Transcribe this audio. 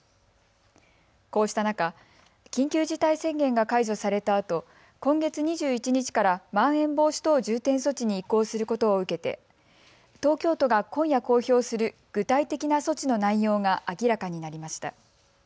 こうした中、緊急事態宣言が解除されたあと今月２１日からまん延防止等重点措置に移行することを受けて東京都が今夜、公表する具体的な措置の内容が明らかになりました。